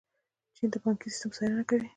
چین د بانکي سیسټم څارنه کوي.